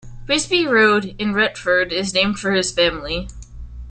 Bigsby Road in Retford is named for his family.